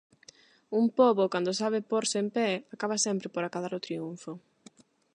Un pobo, cando sabe pórse en pé, acaba sempre por acadar o triunfo.